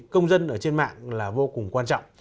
công dân ở trên mạng là vô cùng quan trọng